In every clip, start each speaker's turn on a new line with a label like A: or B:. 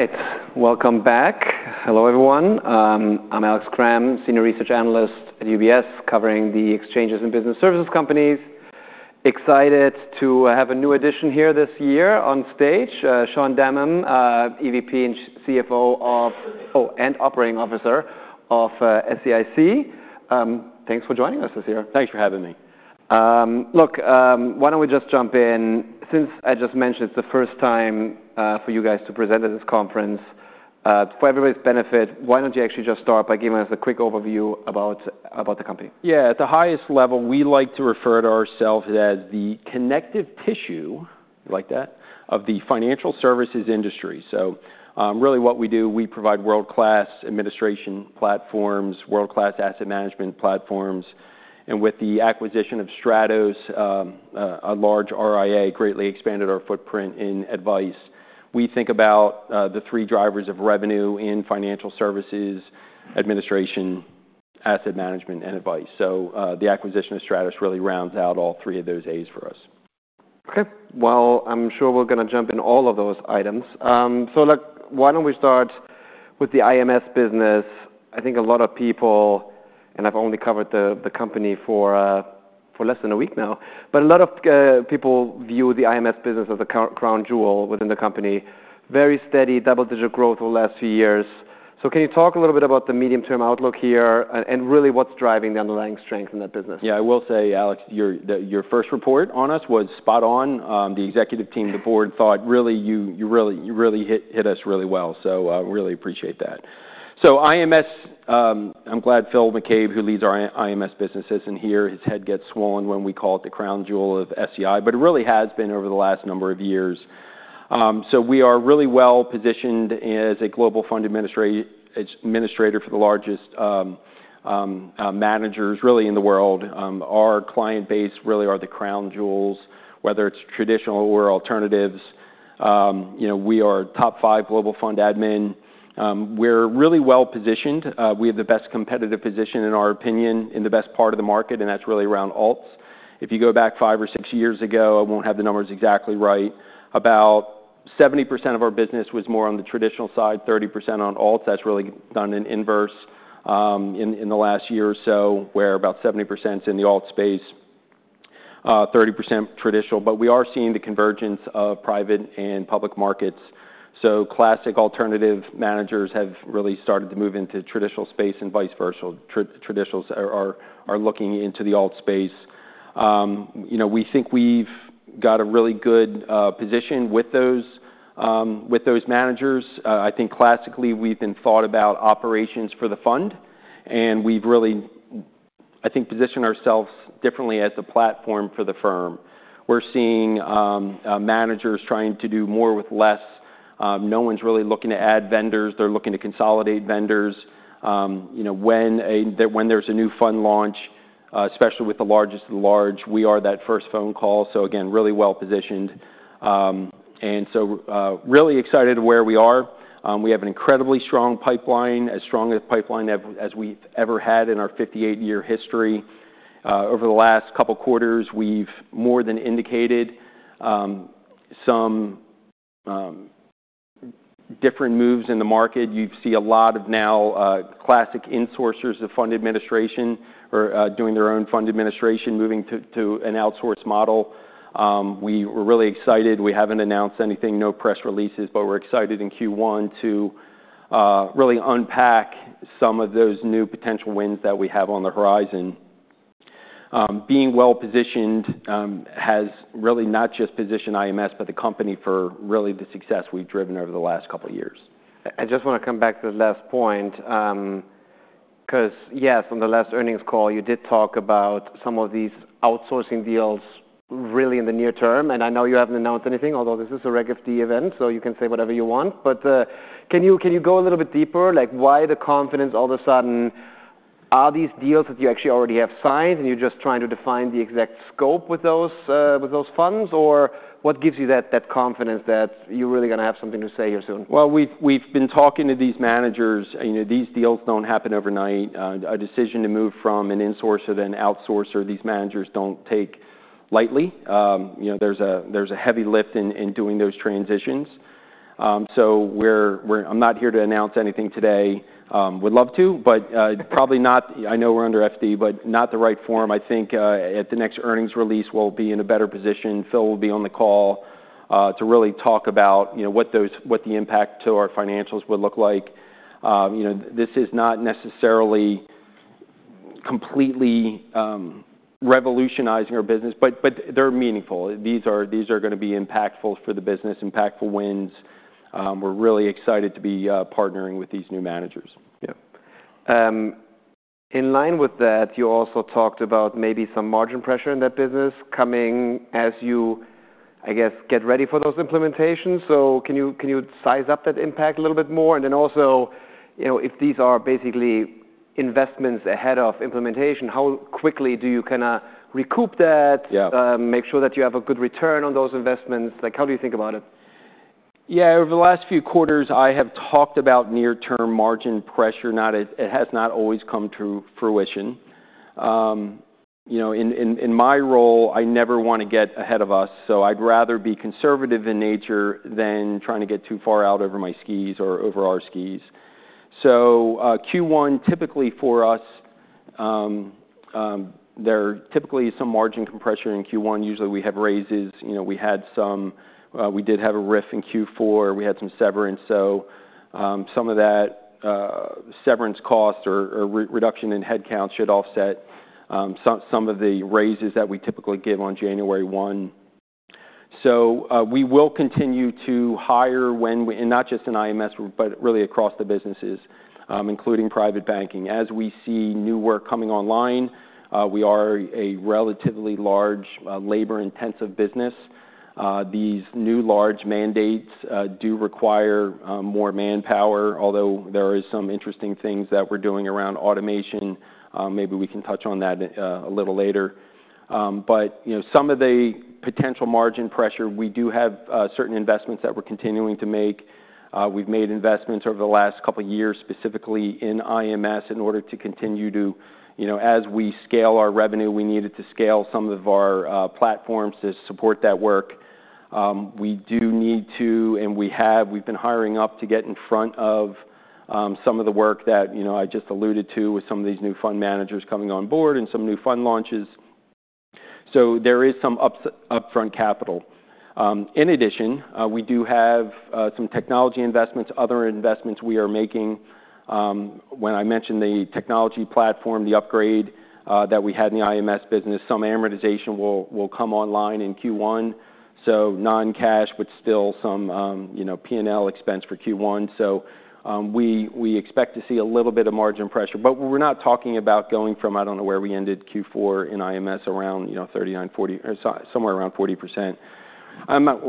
A: All right. Welcome back. Hello, everyone. I'm Alex Kramm, Senior Research Analyst at UBS, covering the exchanges and business services companies. Excited to have a new addition here this year on stage, Sean Denham, EVP and CFO of SEI. Thanks for joining us this year.
B: Thanks for having me.
A: Look, why don't we just jump in? Since I just mentioned it's the first time for you guys to present at this conference, for everybody's benefit, why don't you actually just start by giving us a quick overview about the company?
B: Yeah. At the highest level, we like to refer to ourselves as the connective tissue (you like that?) of the financial services industry. So, really what we do, we provide world-class administration platforms, world-class asset management platforms. And with the acquisition of Stratos, a large RIA, greatly expanded our footprint in advice. We think about, the three drivers of revenue in financial services, administration, asset management, and advice. So, the acquisition of Stratos really rounds out all three of those A's for us.
A: Okay. Well, I'm sure we're gonna jump in all of those items. So look, why don't we start with the IMS business? I think a lot of people, and I've only covered the company for less than a week now, but a lot of people view the IMS business as the crown jewel within the company. Very steady double-digit growth over the last few years. So can you talk a little bit about the medium-term outlook here and really what's driving the underlying strength in that business?
B: Yeah. I will say, Alex, your first report on us was spot on. The executive team, the board, thought, "Really, you really hit us really well." So, really appreciate that. So IMS, I'm glad Phil McCabe, who leads our IMS business, isn't here. His head gets swollen when we call it the crown jewel of SEI, but it really has been over the last number of years. So we are really well positioned as a global fund administrator for the largest managers really in the world. Our client base really are the crown jewels, whether it's traditional or alternatives. You know, we are top five global fund admin. We're really well positioned. We have the best competitive position, in our opinion, in the best part of the market, and that's really around alts. If you go back five or six years ago, I won't have the numbers exactly right, about 70% of our business was more on the traditional side, 30% on alts. That's really done in inverse, in the last year or so, where about 70%'s in the alt space, 30% traditional. But we are seeing the convergence of private and public markets. So classic alternative managers have really started to move into traditional space and vice versa. Traditionals are looking into the alt space. You know, we think we've got a really good position with those managers. I think classically, we've been thought about operations for the fund, and we've really, I think, positioned ourselves differently as a platform for the firm. We're seeing managers trying to do more with less. No one's really looking to add vendors. They're looking to consolidate vendors. You know, when there's a new fund launch, especially with the largest of the large, we are that first phone call. So again, really well positioned. Really excited where we are. We have an incredibly strong pipeline, as strong a pipeline as we've ever had in our 58-year history. Over the last couple quarters, we've more than indicated some different moves in the market. You've seen a lot of now classic insourcers of fund administration or doing their own fund administration moving to an outsourced model. We were really excited. We haven't announced anything, no press releases, but we're excited in Q1 to really unpack some of those new potential wins that we have on the horizon. Being well positioned has really not just positioned IMS but the company for really the success we've driven over the last couple years.
A: I just wanna come back to the last point, 'cause yes, on the last earnings call, you did talk about some of these outsourcing deals really in the near term. And I know you haven't announced anything, although this is a Reg. FD event, so you can say whatever you want. But, can you can you go a little bit deeper? Like, why the confidence all of a sudden? Are these deals that you actually already have signed, and you're just trying to define the exact scope with those, with those funds? Or what gives you that, that confidence that you're really gonna have something to say here soon?
B: Well, we've been talking to these managers. You know, these deals don't happen overnight. A decision to move from an insourcer to an outsourcer, these managers don't take lightly. You know, there's a heavy lift in doing those transitions. So we're, I'm not here to announce anything today. Would love to, but probably not. I know we're under FD, but not the right form. I think, at the next earnings release, we'll be in a better position. Phil will be on the call to really talk about, you know, what the impact to our financials would look like. You know, this is not necessarily completely revolutionizing our business, but they're meaningful. These are gonna be impactful for the business, impactful wins. We're really excited to be partnering with these new managers.
A: Yeah. In line with that, you also talked about maybe some margin pressure in that business coming as you, I guess, get ready for those implementations. So can you can you size up that impact a little bit more? And then also, you know, if these are basically investments ahead of implementation, how quickly do you kinda recoup that?
B: Yeah.
A: Make sure that you have a good return on those investments? Like, how do you think about it?
B: Yeah. Over the last few quarters, I have talked about near-term margin pressure. No, it has not always come to fruition. You know, in my role, I never wanna get ahead of us. So I'd rather be conservative in nature than trying to get too far out over my skis or over our skis. So, Q1, typically for us, there typically is some margin compression in Q1. Usually, we have raises. You know, we had some; we did have a RIF in Q4. We had some severance. So, some of that severance cost or reduction in headcount should offset some of the raises that we typically give on January 1. So, we will continue to hire when we and not just in IMS, but really across the businesses, including private banking. As we see new work coming online, we are a relatively large, labor-intensive business. These new large mandates do require more manpower, although there are some interesting things that we're doing around automation. Maybe we can touch on that a little later. But, you know, some of the potential margin pressure, we do have certain investments that we're continuing to make. We've made investments over the last couple years specifically in IMS in order to continue to, you know, as we scale our revenue, we needed to scale some of our platforms to support that work. We do need to, and we have; we've been hiring up to get in front of some of the work that, you know, I just alluded to with some of these new fund managers coming on board and some new fund launches. So there is some upfront capital. In addition, we do have some technology investments, other investments we are making. When I mentioned the technology platform, the upgrade that we had in the IMS business, some amortization will come online in Q1. So non-cash, but still some, you know, P&L expense for Q1. So, we expect to see a little bit of margin pressure. But we're not talking about going from, I don't know, where we ended Q4 in IMS around, you know, 39, 40 or so—somewhere around 40%.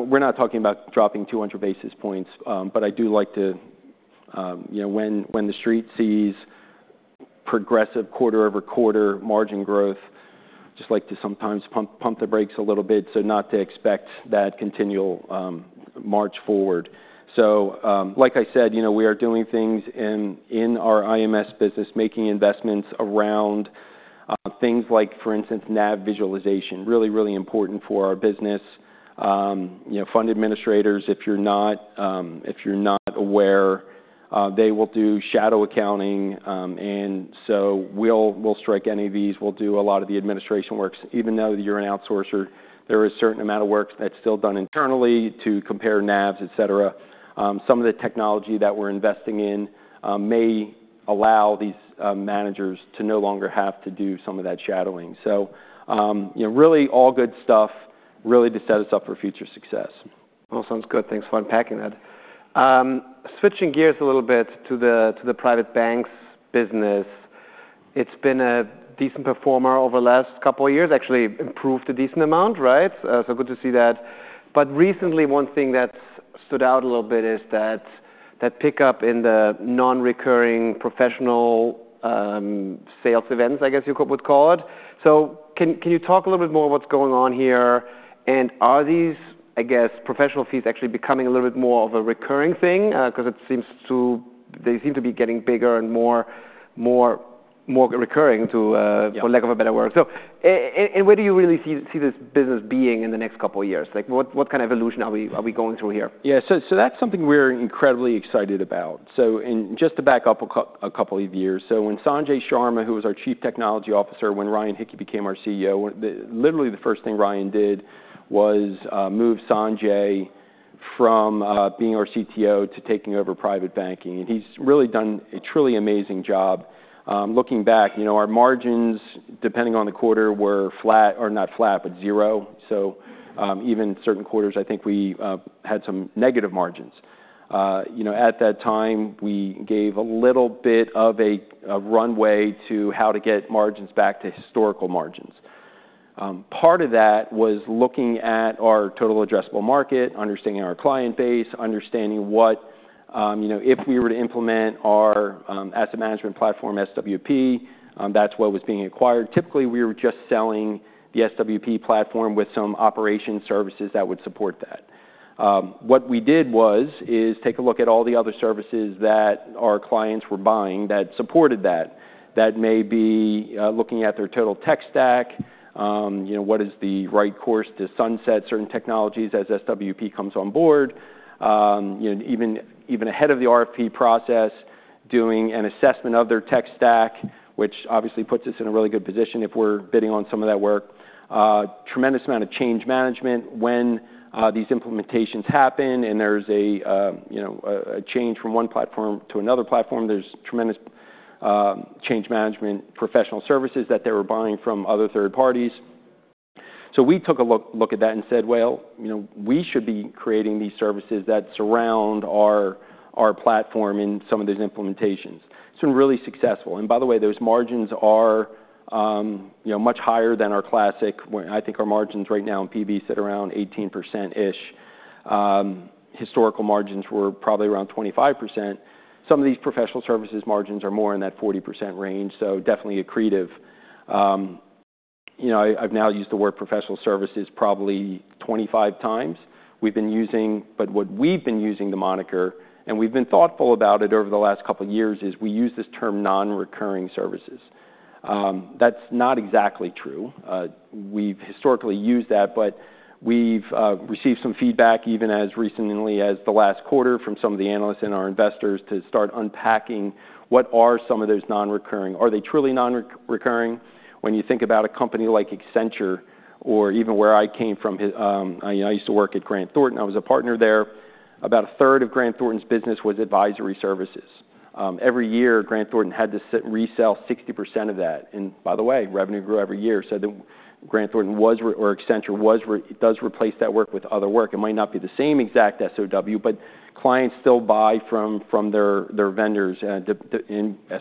B: We're not talking about dropping 200 basis points. But I do like to, you know, when the street sees progressive quarter-over-quarter margin growth, just like to sometimes pump the brakes a little bit so not to expect that continual march forward. So, like I said, you know, we are doing things in our IMS business, making investments around things like, for instance, NAV visualization, really important for our business. You know, fund administrators, if you're not, if you're not aware, they will do shadow accounting. And so we'll, we'll strike any of these. We'll do a lot of the administration works. Even though you're an outsourcer, there is a certain amount of work that's still done internally to compare NAVs, etc. Some of the technology that we're investing in may allow these managers to no longer have to do some of that shadowing. So, you know, really all good stuff really to set us up for future success.
A: Well, sounds good. Thanks for unpacking that. Switching gears a little bit to the to the private banking business, it's been a decent performer over the last couple of years, actually improved a decent amount, right? So good to see that. But recently, one thing that's stood out a little bit is that, that pickup in the non-recurring professional sales events, I guess you could call it. So can you talk a little bit more what's going on here? And are these, I guess, professional fees actually becoming a little bit more of a recurring thing? 'Cause it seems they seem to be getting bigger and more, more, more recurring to,
B: Yeah.
A: For lack of a better word. So in where do you really see this business being in the next couple of years? Like, what kind of evolution are we going through here?
B: Yeah. So, so that's something we're incredibly excited about. So, just to back up a couple of years, so when Sanjay Sharma, who was our Chief Technology Officer when Ryan Hicke became our CEO, literally the first thing Ryan did was move Sanjay from being our CTO to taking over private banking. And he's really done a truly amazing job. Looking back, you know, our margins, depending on the quarter, were flat or not flat, but zero. So, even certain quarters, I think we had some negative margins. You know, at that time, we gave a little bit of a runway to how to get margins back to historical margins. Part of that was looking at our total addressable market, understanding our client base, understanding what, you know, if we were to implement our asset management platform, SWP, that's what was being acquired. Typically, we were just selling the SWP platform with some operation services that would support that. What we did was is take a look at all the other services that our clients were buying that supported that. That may be, looking at their total tech stack. You know, what is the right course to sunset certain technologies as SWP comes on board? You know, even, even ahead of the RFP process, doing an assessment of their tech stack, which obviously puts us in a really good position if we're bidding on some of that work. Tremendous amount of change management when these implementations happen and there's a, you know, a, a change from one platform to another platform. There's tremendous change management professional services that they were buying from other third parties. So we took a look at that and said, "Well, you know, we should be creating these services that surround our platform in some of those implementations." It's been really successful. And by the way, those margins are, you know, much higher than our classic wealth. I think our margins right now in PB sit around 18%-ish. Historical margins were probably around 25%. Some of these professional services margins are more in that 40% range. So definitely accretive. You know, I've now used the word professional services probably 25 times. We've been using but what we've been using the moniker, and we've been thoughtful about it over the last couple of years, is we use this term non-recurring services. That's not exactly true. We've historically used that, but we've received some feedback even as recently as the last quarter from some of the analysts and our investors to start unpacking what are some of those non-recurring? Are they truly non-recurring? When you think about a company like Accenture or even where I came from, hi I used to work at Grant Thornton. I was a partner there. About a third of Grant Thornton's business was advisory services. Every year, Grant Thornton had to sit and resell 60% of that. By the way, revenue grew every year. So then Grant Thornton was re or Accenture was re does replace that work with other work. It might not be the same exact SOW, but clients still buy from their vendors, and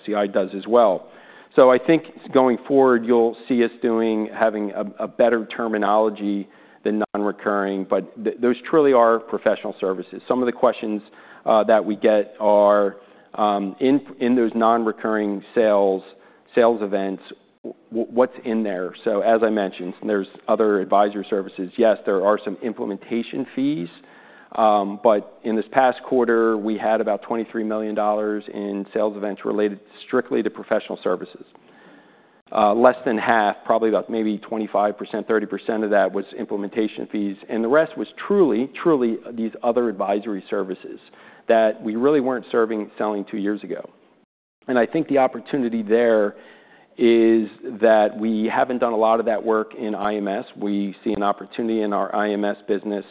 B: SEI does as well. So I think going forward, you'll see us doing, having a better terminology than non-recurring, but those truly are professional services. Some of the questions that we get are, in those non-recurring sales events, what's in there? So as I mentioned, there's other advisory services. Yes, there are some implementation fees. But in this past quarter, we had about $23 million in sales events related strictly to professional services. Less than half, probably about maybe 25%-30% of that was implementation fees. And the rest was truly, truly these other advisory services that we really weren't selling two years ago. And I think the opportunity there is that we haven't done a lot of that work in IMS. We see an opportunity in our IMS business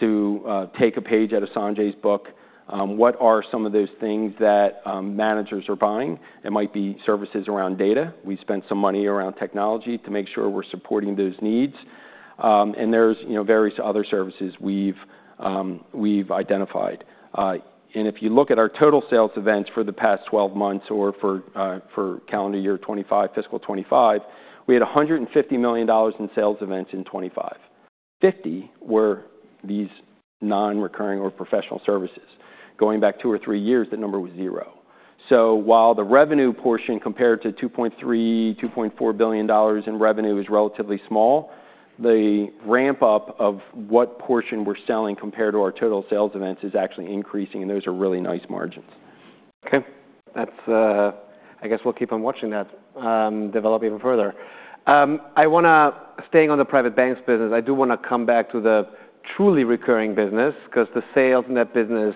B: to take a page out of Sanjay's book, what are some of those things that managers are buying? It might be services around data. We spend some money around technology to make sure we're supporting those needs. There's, you know, various other services we've identified. If you look at our total sales events for the past 12 months or for calendar year 2025, fiscal 2025, we had $150 million in sales events in 2025. $50 million were these non-recurring or professional services. Going back two or three years, that number was zero. So while the revenue portion compared to $2.3-$2.4 billion in revenue is relatively small, the ramp-up of what portion we're selling compared to our total sales events is actually increasing. And those are really nice margins.
A: Okay. That's, I guess we'll keep on watching that develop even further. I wanna stay on the private banking business. I do wanna come back to the truly recurring business 'cause the sales in that business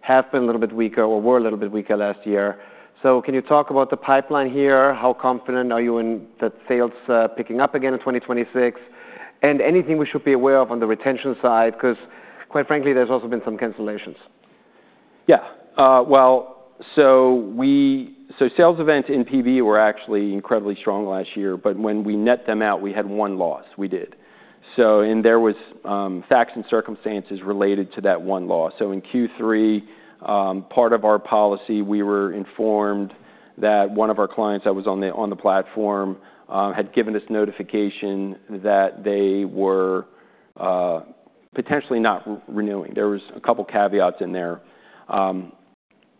A: have been a little bit weaker or were a little bit weaker last year. So can you talk about the pipeline here? How confident are you in that sales picking up again in 2026? And anything we should be aware of on the retention side 'cause quite frankly, there's also been some cancellations.
B: Yeah. Well, so sales events in PB were actually incredibly strong last year, but when we net them out, we had one loss. We did. So, and there were facts and circumstances related to that one loss. So in Q3, part of our policy, we were informed that one of our clients that was on the platform had given us notification that they were potentially not renewing. There were a couple of caveats in there,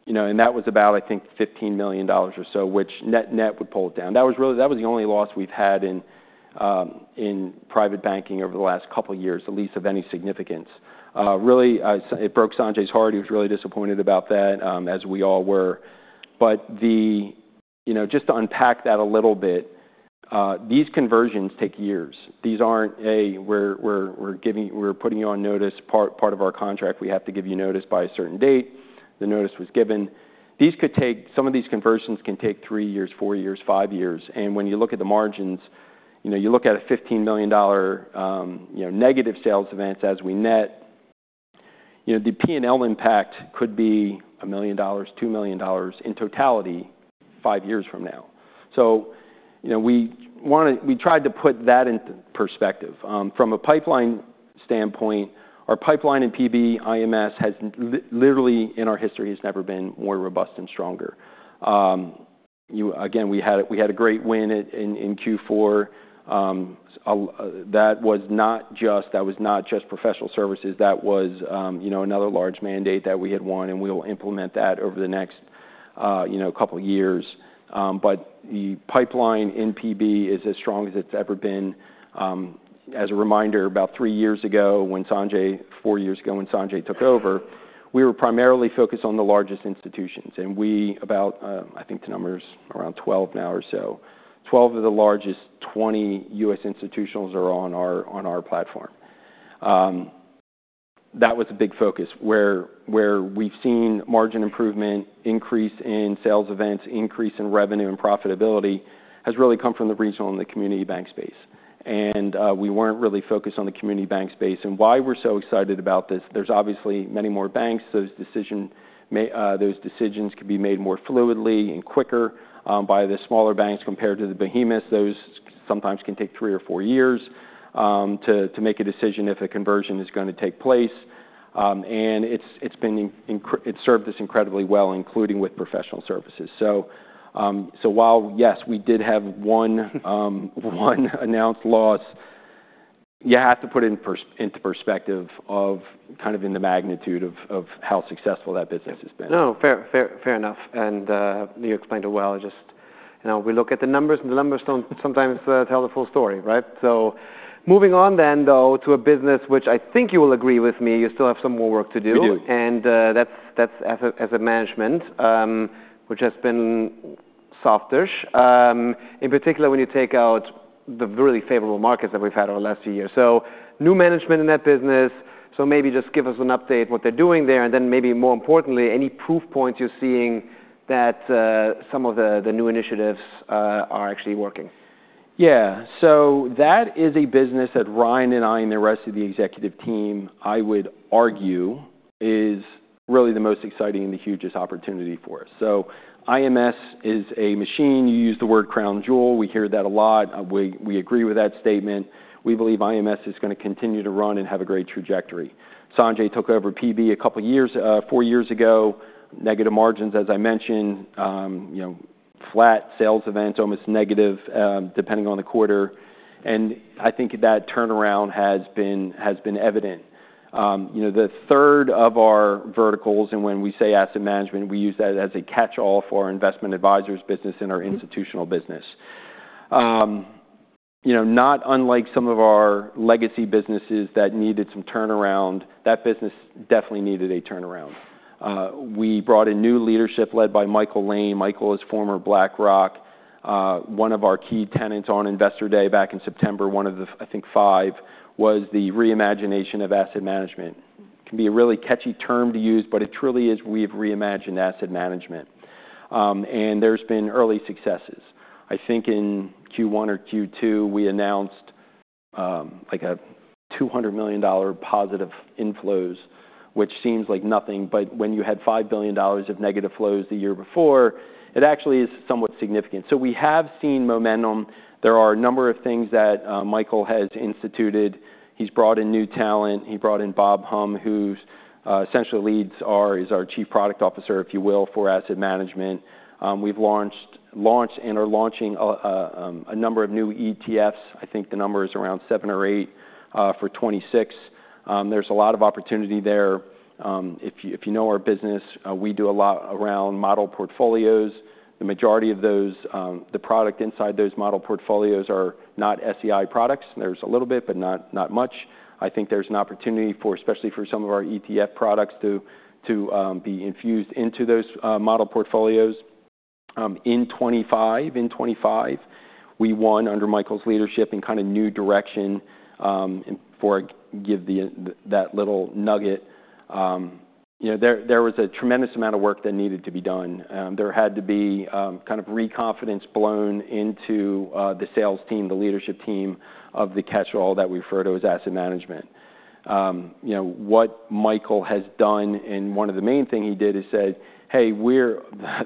B: you know, and that was about, I think, $15 million or so, which net net would pull it down. That was really the only loss we've had in private banking over the last couple of years, at least of any significance. Really, it broke Sanjay's heart. He was really disappointed about that, as we all were. But you know, just to unpack that a little bit, these conversions take years. These aren't. We're giving we're putting you on notice. Part of our contract, we have to give you notice by a certain date. The notice was given. These could take. Some of these conversions can take three years, four years, five years. And when you look at the margins, you know, you look at a $15 million negative sales events as we net, you know, the P&L impact could be $1 million, $2 million in totality five years from now. So, you know, we want to we tried to put that into perspective. From a pipeline standpoint, our pipeline in PB, IMS has literally in our history, has never been more robust and stronger. You know, again, we had a great win in Q4. That was not just that was not just professional services. That was, you know, another large mandate that we had won, and we'll implement that over the next, you know, couple of years. But the pipeline in PB is as strong as it's ever been. As a reminder, about three years ago when Sanjay four years ago when Sanjay took over, we were primarily focused on the largest institutions. And we about, I think the number's around 12 now or so. 12 of the largest 20 U.S. institutionals are on our on our platform. That was a big focus where, where we've seen margin improvement, increase in sales events, increase in revenue and profitability has really come from the regional and the community bank space. And, we weren't really focused on the community bank space. And why we're so excited about this, there's obviously many more banks. Those decisions could be made more fluidly and quicker by the smaller banks compared to the behemoths. Those sometimes can take three or four years to make a decision if a conversion is gonna take place. And it's served us incredibly well, including with professional services. So while yes, we did have one announced loss, you have to put it in perspective of the magnitude of how successful that business has been.
A: No, fair, fair, fair enough. And you explained it well. Just, you know, we look at the numbers, and the numbers don't sometimes tell the full story, right? So moving on then though to a business which I think you will agree with me, you still have some more work to do.
B: We do.
A: That's asset management, which has been soft-ish, in particular when you take out the really favorable markets that we've had over the last few years. So new management in that business. So maybe just give us an update what they're doing there. And then maybe more importantly, any proof points you're seeing that some of the new initiatives are actually working.
B: Yeah. So that is a business that Ryan and I and the rest of the executive team, I would argue, is really the most exciting and the hugest opportunity for us. So IMS is a machine. You use the word crown jewel. We hear that a lot. We, we agree with that statement. We believe IMS is gonna continue to run and have a great trajectory. Sanjay took over PB a couple of years, four years ago. Negative margins, as I mentioned. You know, the third of our verticals and when we say asset management, we use that as a catch-all for our investment advisors business and our institutional business. You know, not unlike some of our legacy businesses that needed some turnaround, that business definitely needed a turnaround. We brought in new leadership led by Michael Lane. Michael is former BlackRock. One of our key tenets on Investor Day back in September, one of the, I think, five was the reimagination of asset management. Can be a really catchy term to use, but it truly is we've reimagined asset management. There's been early successes. I think in Q1 or Q2, we announced, like a $200 million positive inflows, which seems like nothing, but when you had $5 billion of negative flows the year before, it actually is somewhat significant. So we have seen momentum. There are a number of things that, Michael has instituted. He's brought in new talent. He brought in Rob Humm, who, essentially leads our is our chief product officer, if you will, for asset management. We've launched and are launching a number of new ETFs. I think the number is around 7 or 8 for 2026. There's a lot of opportunity there. If you know our business, we do a lot around model portfolios. The majority of those, the product inside those model portfolios are not SEI products. There's a little bit, but not much. I think there's an opportunity for especially for some of our ETF products to be infused into those model portfolios. In 2025, we won under Michael's leadership in a kind of new direction. In for a, give that little nugget. You know, there was a tremendous amount of work that needed to be done. There had to be kind of re-confidence blown into the sales team, the leadership team of the catch-all that we refer to as asset management. You know, what Michael has done and one of the main thing he did is said, "Hey, we're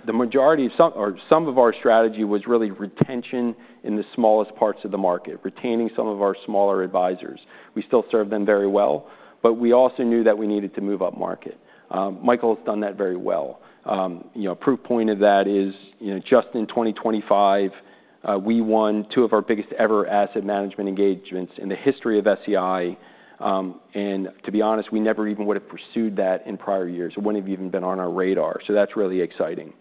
B: the majority of some or some of our strategy was really retention in the smallest parts of the market, retaining some of our smaller advisors. We still serve them very well, but we also knew that we needed to move up market." Michael's done that very well. You know, a proof point of that is, you know, just in 2025, we won two of our biggest ever asset management engagements in the history of SEI. And to be honest, we never even would have pursued that in prior years. It wouldn't have even been on our radar. So that's really exciting.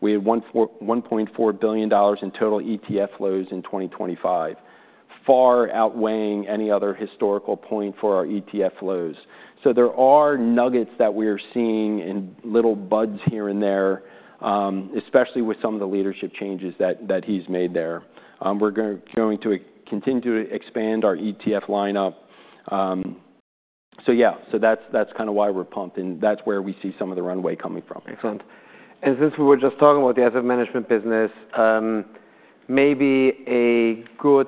B: We had $1.4 billion in total ETF flows in 2025, far outweighing any other historical point for our ETF flows. So there are nuggets that we are seeing and little buds here and there, especially with some of the leadership changes that he's made there. We're going to continue to expand our ETF lineup. So yeah. So that's kind of why we're pumped. And that's where we see some of the runway coming from.
A: Excellent. And since we were just talking about the asset management business, maybe a good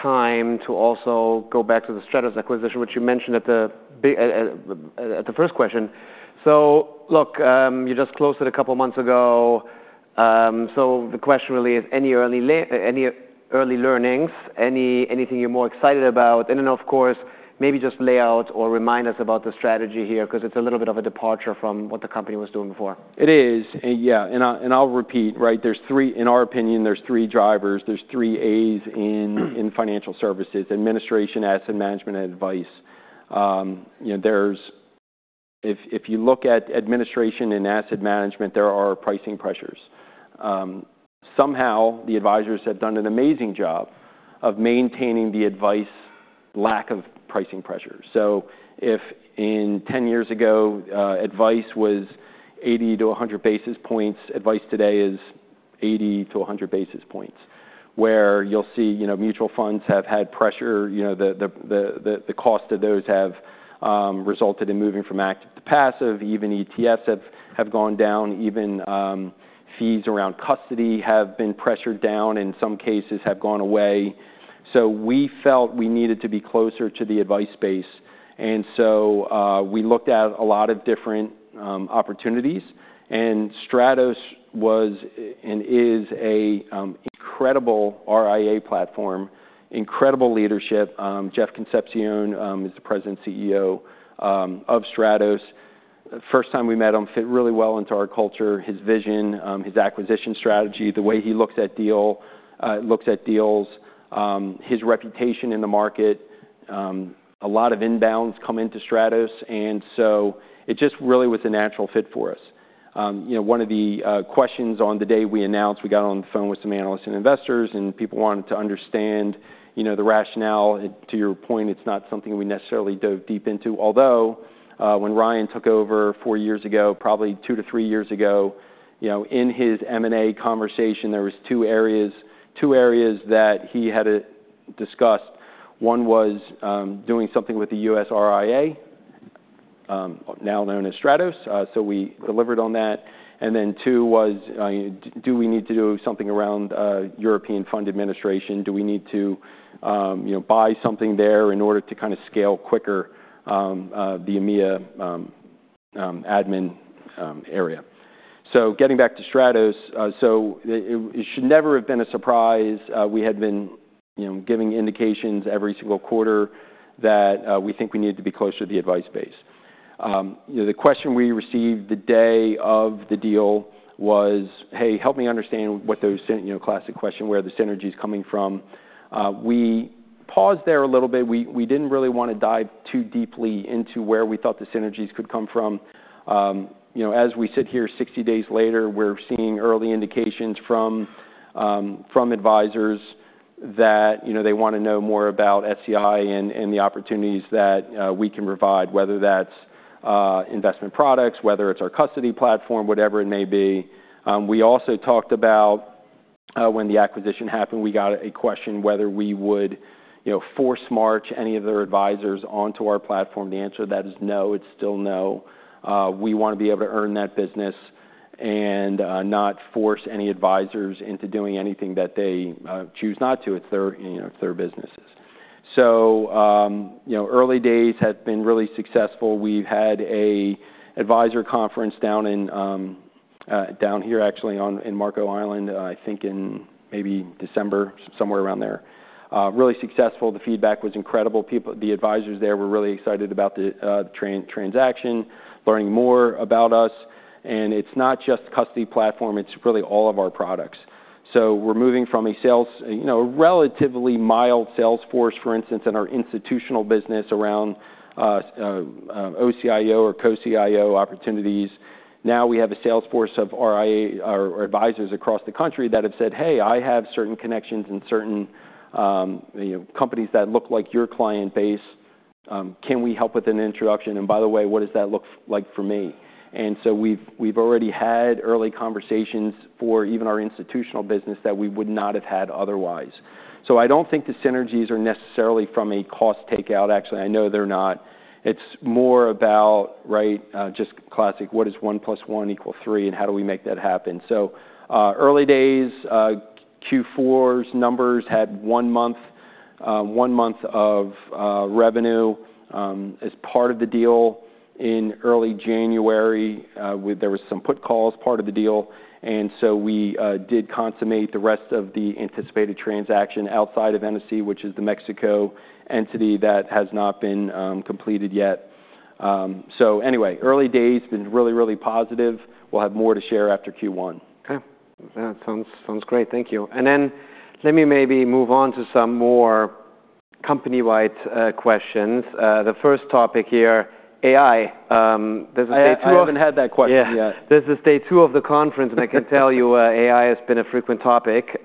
A: time to also go back to the Stratos acquisition, which you mentioned at the beginning at the first question. So look, you just closed it a couple of months ago. So the question really is any early learnings, anything you're more excited about? And then, of course, maybe just lay out or remind us about the strategy here 'cause it's a little bit of a departure from what the company was doing before.
B: It is. And yeah. And I'll repeat, right? There's three in our opinion, three drivers. There's three A's in financial services: administration, asset management, and advice. You know, if you look at administration and asset management, there are pricing pressures. Somehow the advisors have done an amazing job of maintaining the advice lack of pricing pressure. So, 10 years ago, advice was 80-100 basis points, advice today is 80-100 basis points where you'll see, you know, mutual funds have had pressure. You know, the cost of those have resulted in moving from active to passive. Even ETFs have gone down. Even fees around custody have been pressured down. In some cases, have gone away. So we felt we needed to be closer to the advice space. And so, we looked at a lot of different opportunities. Stratos was and is an incredible RIA platform, incredible leadership. Jeff Concepcion is the president and CEO of Stratos. First time we met, fit really well into our culture. His vision, his acquisition strategy, the way he looks at deal, looks at deals, his reputation in the market. A lot of inbounds come into Stratos. And so it just really was a natural fit for us. You know, one of the questions on the day we announced, we got on the phone with some analysts and investors, and people wanted to understand, you know, the rationale. To your point, it's not something we necessarily dove deep into. Although, when Ryan took over 4 years ago, probably 2 to 3 years ago, you know, in his M&A conversation, there were two areas, two areas that he had discussed. One was doing something with the U.S. RIA, now known as Stratos. So we delivered on that. And then two was, do we need to do something around European Fund Administration? Do we need to, you know, buy something there in order to kind of scale quicker, the EMEA admin area? So getting back to Stratos, so it, it should never have been a surprise. We had been, you know, giving indications every single quarter that we think we needed to be closer to the advice base. You know, the question we received the day of the deal was, "Hey, help me understand what those synergies, you know, classic question, where the synergy's coming from." We paused there a little bit. We, we didn't really wanna dive too deeply into where we thought the synergies could come from. You know, as we sit here 60 days later, we're seeing early indications from advisors that, you know, they wanna know more about SEI and the opportunities that we can provide, whether that's investment products, whether it's our custody platform, whatever it may be. We also talked about, when the acquisition happened, we got a question whether we would, you know, force any of their advisors onto our platform. The answer to that is no. It's still no. We wanna be able to earn that business and not force any advisors into doing anything that they choose not to. It's their, you know, it's their businesses. So, you know, early days have been really successful. We've had an advisor conference down here actually in Marco Island, I think in maybe December, somewhere around there. Really successful. The feedback was incredible. People, the advisors there were really excited about the, the Stratos transaction, learning more about us. And it's not just custody platform. It's really all of our products. So we're moving from a sales, you know, a relatively mild sales force, for instance, in our institutional business around OCIO or Co-CIO opportunities. Now we have a sales force of RIAs or advisors across the country that have said, "Hey, I have certain connections and certain, you know, companies that look like your client base. Can we help with an introduction? And by the way, what does that look like for me?" And so we've already had early conversations for even our institutional business that we would not have had otherwise. So I don't think the synergies are necessarily from a cost takeout, actually. I know they're not. It's more about, right, just classic, what is 1 + 1 = 3 and how do we make that happen? So, early days, Q4's numbers had 1 month, 1 month of revenue, as part of the deal. In early January, with there was some put/calls part of the deal. And so we did consummate the rest of the anticipated transaction outside of NSC, which is the Mexico entity that has not been completed yet. So anyway, early days been really, really positive. We'll have more to share after Q1.
A: Okay. That sounds great. Thank you. And then let me maybe move on to some more company-wide questions. The first topic here, AI. There's a day two of.
B: I haven't had that question yet.
A: Yeah. There's a day two of the conference. And I can tell you, AI has been a frequent topic.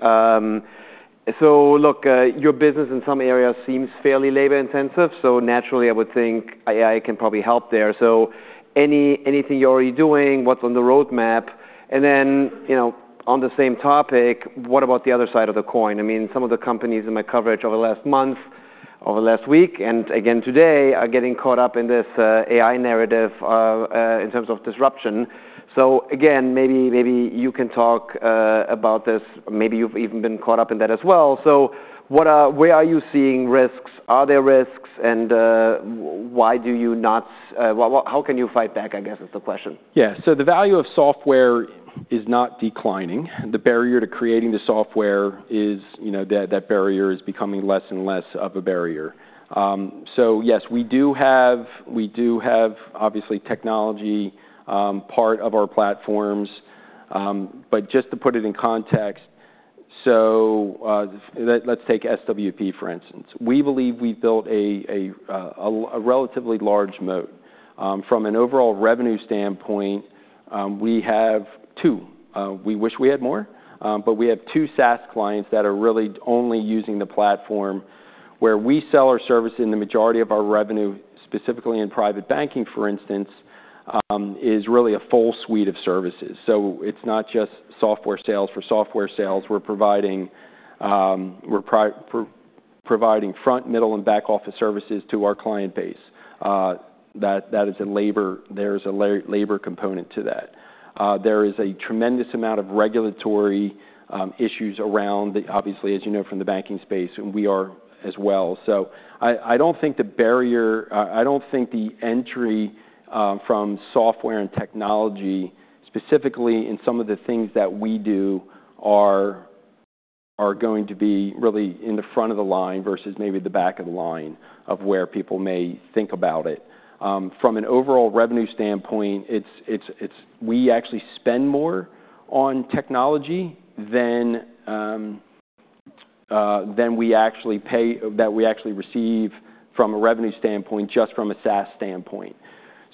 A: So look, your business in some areas seems fairly labor-intensive. So naturally, I would think AI can probably help there. So any, anything you're already doing, what's on the roadmap? And then, you know, on the same topic, what about the other side of the coin? I mean, some of the companies in my coverage over the last month, over the last week, and again today, are getting caught up in this AI narrative, in terms of disruption. So again, maybe, maybe you can talk about this. Maybe you've even been caught up in that as well. So what, where are you seeing risks? Are there risks? And, why do you not, what, what how can you fight back, I guess, is the question.
B: Yeah. So the value of software is not declining. The barrier to creating the software is, you know, that barrier is becoming less and less of a barrier. So yes, we do have obviously technology, part of our platforms. But just to put it in context, so, let's take SWP, for instance. We believe we've built a relatively large moat. From an overall revenue standpoint, we have two. We wish we had more, but we have two SaaS clients that are really only using the platform where we sell our service. And the majority of our revenue, specifically in private banking, for instance, is really a full suite of services. So it's not just software sales for software sales. We're providing front, middle, and back office services to our client base. That is a labor. There is a labor component to that. There is a tremendous amount of regulatory issues around that, obviously, as you know, from the banking space, and we are as well. So I don't think the barrier to entry, from software and technology, specifically in some of the things that we do, are going to be really in the front of the line versus maybe the back of the line of where people may think about it. From an overall revenue standpoint, it's we actually spend more on technology than we actually receive from a revenue standpoint just from a SaaS standpoint.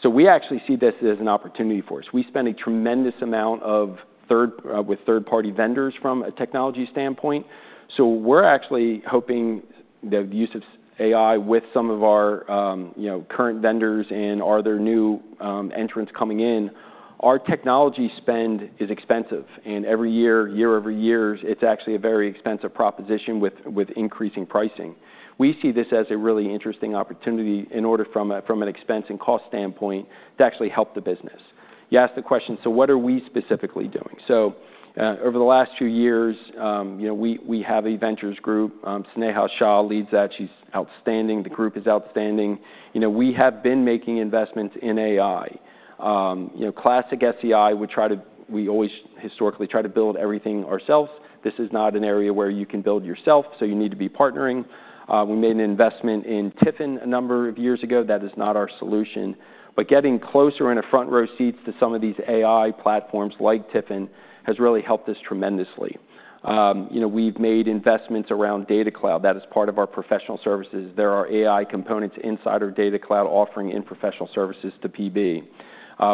B: So we actually see this as an opportunity for us. We spend a tremendous amount with third-party vendors from a technology standpoint. So we're actually hoping to use AI with some of our, you know, current vendors and are there new entrants coming in? Our technology spend is expensive. And every year, year over year, it's actually a very expensive proposition with increasing pricing. We see this as a really interesting opportunity in order from an expense and cost standpoint to actually help the business. You asked the question, so what are we specifically doing? So, over the last few years, you know, we have a ventures group. Sneha Shah leads that. She's outstanding. The group is outstanding. You know, we have been making investments in AI. You know, classic SEI, we always historically try to build everything ourselves. This is not an area where you can build yourself, so you need to be partnering. We made an investment in TIFIN a number of years ago. That is not our solution. But getting closer in a front row seats to some of these AI platforms like TIFIN has really helped us tremendously. You know, we've made investments around Data Cloud. That is part of our professional services. There are AI components inside our Data Cloud offering in professional services to PB.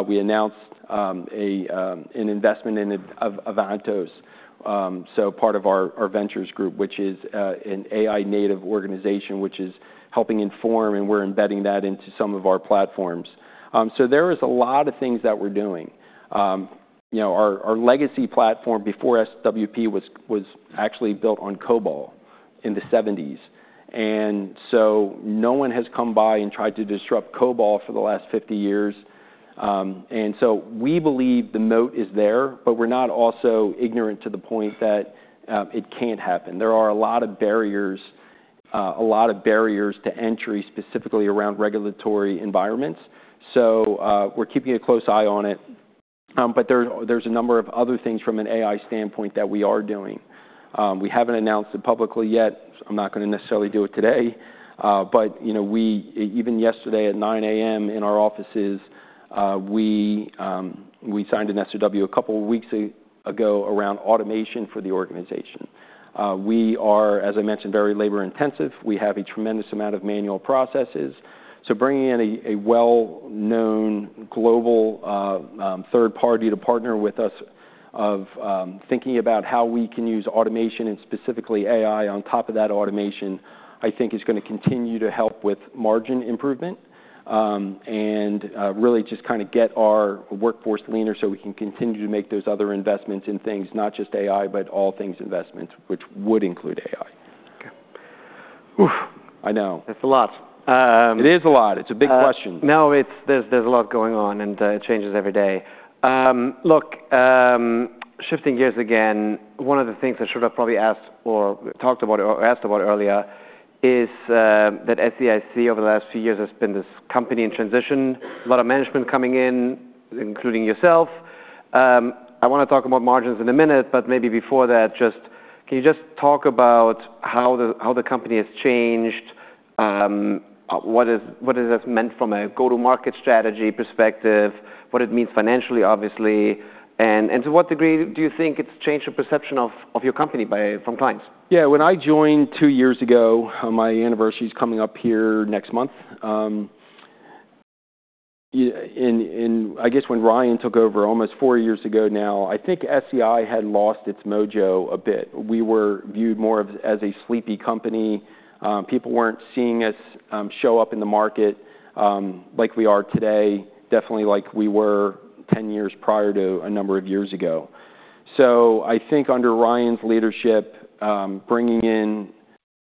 B: We announced an investment in Axyon AI, so part of our ventures group, which is an AI-native organization, which is helping inform, and we're embedding that into some of our platforms. So there is a lot of things that we're doing. You know, our legacy platform before SWP was actually built on COBOL in the '70s. So no one has come by and tried to disrupt COBOL for the last 50 years. And so we believe the moat is there, but we're not also ignorant to the point that it can't happen. There are a lot of barriers, a lot of barriers to entry specifically around regulatory environments. So, we're keeping a close eye on it. But there's, there's a number of other things from an AI standpoint that we are doing. We haven't announced it publicly yet. I'm not gonna necessarily do it today. But, you know, we even yesterday at 9:00 A.M. in our offices, we, we signed an SOW a couple of weeks ago around automation for the organization. We are, as I mentioned, very labor-intensive. We have a tremendous amount of manual processes. So bringing in a well-known global third party to partner with us, thinking about how we can use automation and specifically AI on top of that automation, I think, is gonna continue to help with margin improvement, and really just kinda get our workforce leaner so we can continue to make those other investments in things, not just AI, but all things investments, which would include AI.
A: Okay. Oof.
B: I know.
A: That's a lot.
B: It is a lot. It's a big question.
A: No, it's there's a lot going on, and it changes every day. Look, shifting gears again, one of the things I should have probably asked or talked about earlier is that SEI over the last few years has been this company in transition, a lot of management coming in, including yourself. I wanna talk about margins in a minute, but maybe before that, just can you just talk about how the company has changed? What has this meant from a go-to-market strategy perspective, what it means financially, obviously? And to what degree do you think it's changed your perception of your company from clients?
B: Yeah. When I joined two years ago, my anniversary's coming up here next month. You know, in, I guess when Ryan took over almost four years ago now, I think SEI had lost its mojo a bit. We were viewed more as, as a sleepy company. People weren't seeing us show up in the market, like we are today, definitely like we were 10 years prior to a number of years ago. So I think under Ryan's leadership, bringing in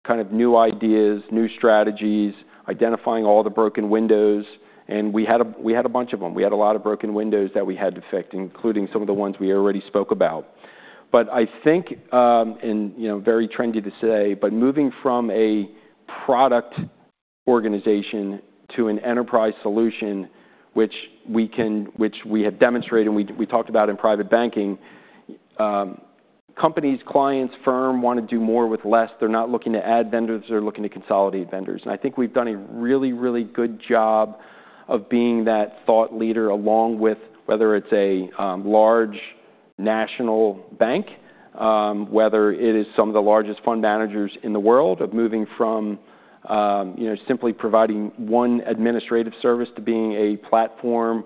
B: kind of new ideas, new strategies, identifying all the broken windows and we had a bunch of them. We had a lot of broken windows that we had to fix, including some of the ones we already spoke about. But I think, and, you know, very trendy to say, but moving from a product organization to an enterprise solution, which we have demonstrated and we talked about in private banking, companies, clients, firm wanna do more with less. They're not looking to add vendors. They're looking to consolidate vendors. And I think we've done a really, really good job of being that thought leader along with whether it's a large national bank, whether it is some of the largest fund managers in the world of moving from, you know, simply providing one administrative service to being a platform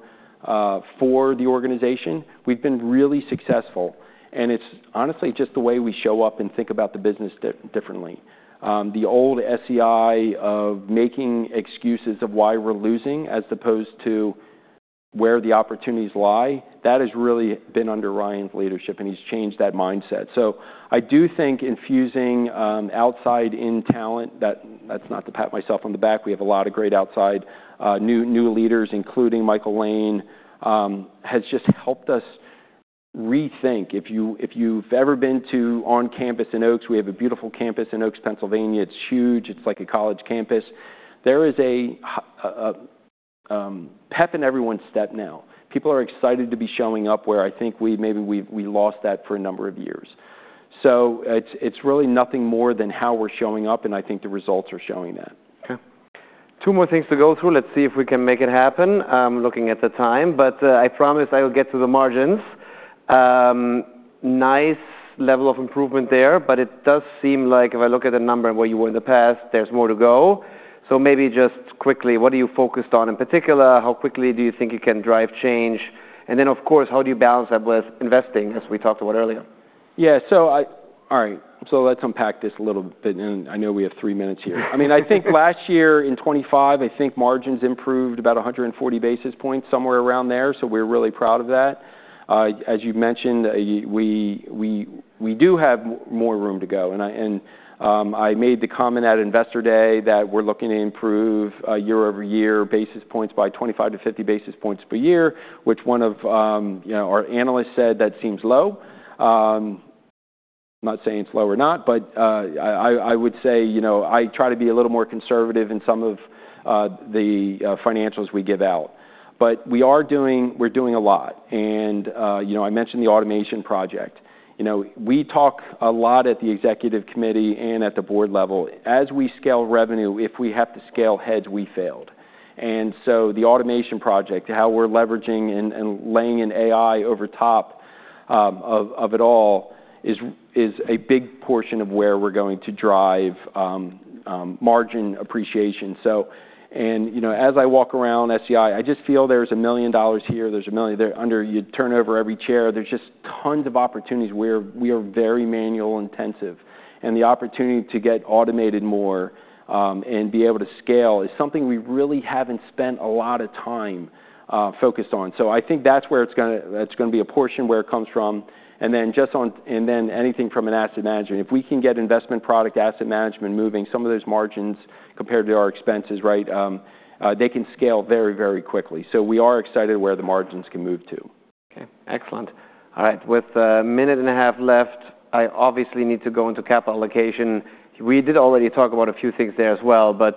B: for the organization. We've been really successful. It's honestly just the way we show up and think about the business differently. The old SEI of making excuses of why we're losing as opposed to where the opportunities lie, that has really been under Ryan's leadership, and he's changed that mindset. So I do think infusing outside-in talent, that's not to pat myself on the back. We have a lot of great outside, new leaders, including Michael Lane, has just helped us rethink. If you've ever been to our campus in Oaks, we have a beautiful campus in Oaks, Pennsylvania. It's huge. It's like a college campus. There is a pep in everyone's step now. People are excited to be showing up where I think we maybe we've lost that for a number of years. So it's really nothing more than how we're showing up, and I think the results are showing that.
A: Okay. Two more things to go through. Let's see if we can make it happen. I'm looking at the time, but I promise I will get to the margins. Nice level of improvement there, but it does seem like if I look at the number and where you were in the past, there's more to go. So maybe just quickly, what are you focused on in particular? How quickly do you think you can drive change? And then, of course, how do you balance that with investing, as we talked about earlier?
B: Yeah. So, all right, so let's unpack this a little bit, and I know we have 3 minutes here. I mean, I think last year in 2025, I think margins improved about 140 basis points, somewhere around there. So we're really proud of that. As you mentioned, we do have more room to go. And I made the comment at Investor Day that we're looking to improve year-over-year basis points by 25-50 basis points per year, which, you know, one of our analysts said that seems low. I'm not saying it's low or not, but I would say, you know, I try to be a little more conservative in some of the financials we give out. But we are doing a lot. And, you know, I mentioned the automation project. You know, we talk a lot at the executive committee and at the board level. As we scale revenue, if we have to scale heads, we failed. And so the automation project, how we're leveraging and, and laying in AI over top, of, of it all is, is a big portion of where we're going to drive, margin appreciation. So and, you know, as I walk around SEI, I just feel there's $1 million here. There's $1 million there under you turn over every chair. There's just tons of opportunities where we are very manual-intensive. And the opportunity to get automated more, and be able to scale is something we really haven't spent a lot of time, focused on. So I think that's where it's gonna that's gonna be a portion where it comes from. And then just on and then anything from an asset management. If we can get investment product asset management moving some of those margins compared to our expenses, right, they can scale very, very quickly. We are excited where the margins can move to.
A: Okay. Excellent. All right. With a minute and a half left, I obviously need to go into capital allocation. We did already talk about a few things there as well, but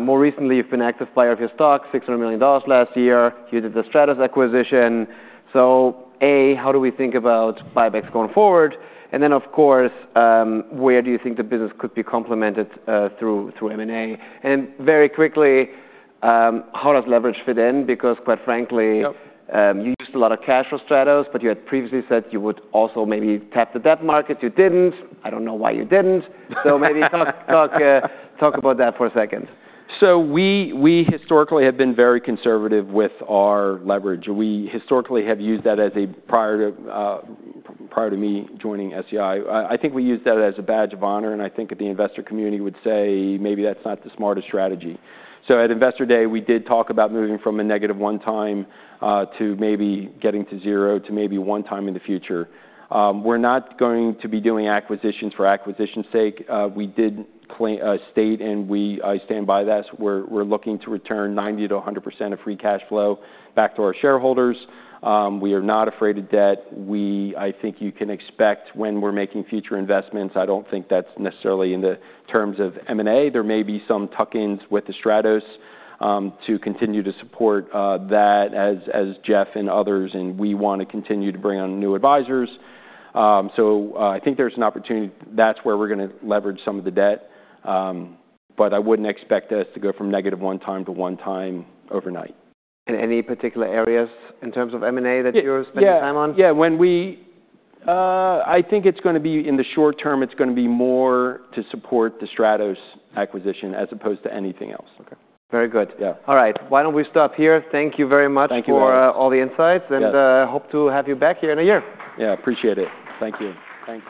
A: more recently, you've been an active buyer of your stock, $600 million last year. You did the Stratos acquisition. So A, how do we think about buybacks going forward? And then, of course, where do you think the business could be complemented through M&A? And very quickly, how does leverage fit in? Because quite frankly.
B: Yep.
A: You used a lot of cash for Stratos, but you had previously said you would also maybe tap the debt market. You didn't. I don't know why you didn't. So maybe talk, talk, talk about that for a second.
B: So we historically have been very conservative with our leverage. We historically have used that as a prior to me joining SEI. I think we used that as a badge of honor, and I think that the investor community would say maybe that's not the smartest strategy. So at Investor Day, we did talk about moving from a negative 1x to maybe getting to zero to maybe 1x in the future. We're not going to be doing acquisitions for acquisition's sake. We did claim a state, and we stand by this. We're looking to return 90%-100% of free cash flow back to our shareholders. We are not afraid of debt. We, I think you can expect when we're making future investments, I don't think that's necessarily in the terms of M&A. There may be some tuck-ins with the Stratos to continue to support that, as Jeff and others, and we wanna continue to bring on new advisors. So, I think there's an opportunity that's where we're gonna leverage some of the debt. But I wouldn't expect us to go from negative one-time to one-time overnight.
A: In any particular areas in terms of M&A that you're spending time on?
B: Yeah. Yeah. When we, I think it's gonna be in the short term, it's gonna be more to support the Stratos acquisition as opposed to anything else.
A: Okay. Very good.
B: Yeah.
A: All right. Why don't we stop here? Thank you very much.
B: Thank you.
A: For all the insights.
B: Thank you.
A: Hope to have you back here in a year.
B: Yeah. Appreciate it. Thank you.
A: Thanks.